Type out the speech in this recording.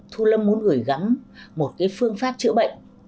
thu lâm muốn gửi gắm một cái phương pháp chữa bệnh